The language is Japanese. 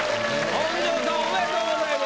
本上さんおめでとうございます。